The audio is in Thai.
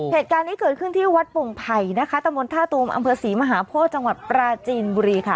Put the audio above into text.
เหตุการณ์นี้เกิดขึ้นที่วัดโป่งไผ่นะคะตะมนต์ท่าตูมอำเภอศรีมหาโพธิจังหวัดปราจีนบุรีค่ะ